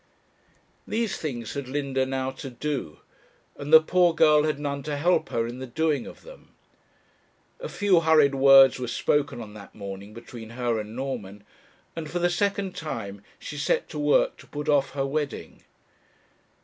These things had Linda now to do, and the poor girl had none to help her in the doing of them. A few hurried words were spoken on that morning between her and Norman, and for the second time she set to work to put off her wedding.